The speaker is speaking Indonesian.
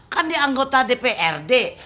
kan dia anggota dprd